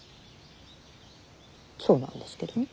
そうなんですけどね。